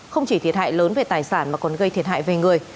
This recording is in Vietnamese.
không chỉ thiệt hại lớn về tài sản mà còn gây thiệt hại về người